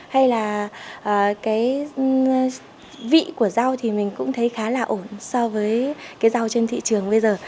hay là cái vị của rau thì mình cũng thấy khá là ổn so với cái rau trên thị trường bây giờ